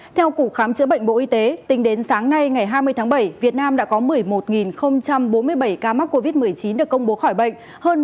theo cục khám chữa bệnh bộ y tế tính đến sáng nay ngày hai mươi tháng bảy việt nam đã có một mươi một bốn mươi bảy ca mắc covid một mươi chín được công bố khỏi bệnh